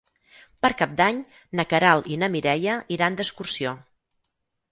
Per Cap d'Any na Queralt i na Mireia iran d'excursió.